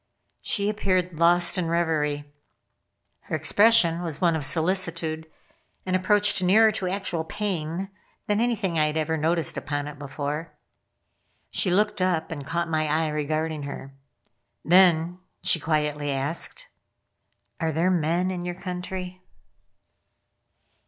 She appeared lost in reverie. Her expression was one of solicitude and approached nearer to actual pain than anything I had ever noticed upon it before. She looked up and caught my eye regarding her. Then she quietly asked: "_Are there men in your country?